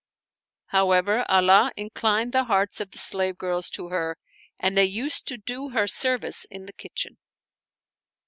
However, Allah inclined the hearts of the slave girls to her and they used to do her service in the kitchen.